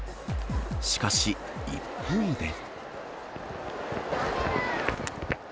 しかし、一方で。